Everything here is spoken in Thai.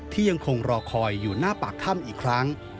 ยังคงรอคอยอยู่หน้าปากถ้ำอีกครั้ง